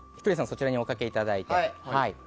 そちらにおかけいただいて。